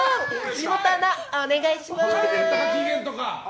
岸本アナ、お願いします。